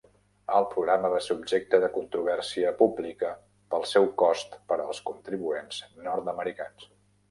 El programa va ser objecte de controvèrsia pública pel seu cost per als contribuents nord-americans.